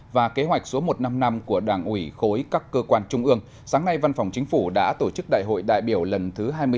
và kế hoạch số một trăm năm mươi năm của đảng ủy khối các cơ quan trung ương sáng nay văn phòng chính phủ đã tổ chức đại hội đại biểu lần thứ hai mươi sáu